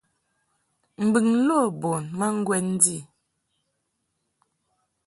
Mbɨŋ lo bun ma ŋgwɛn ndi.